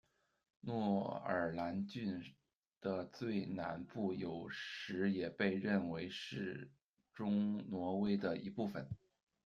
诺尔兰郡的最南部有时也被认为是中挪威的一部分。